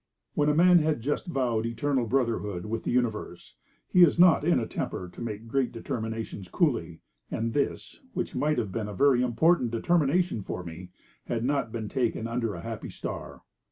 When a man has just vowed eternal brotherhood with the universe, he is not in a temper to take great determinations coolly, and this, which might have been a very important determination for me, had not been taken under a happy star.